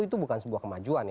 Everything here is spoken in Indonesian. itu bukan sebuah kemajuan